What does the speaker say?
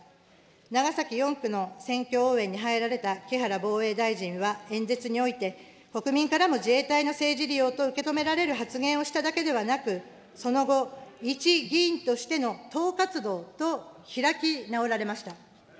長崎４区の選挙応援に入られた木原防衛大臣は演説において、国民からも自衛隊の政治利用と受け止められる発言をしただけではなく、その後、一議員としての党活動と開き直られました。